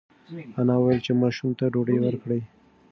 انا وویل چې ماشوم ته ډوډۍ ورکړئ.